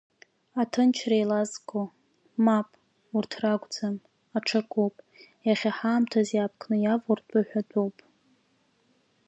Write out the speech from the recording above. Аҭынчра еилазго, мап, урҭ ракәӡам, аҽакуп, иахьа ҳаамҭаз иаапкны иавоу ртәы ҳәатәуп.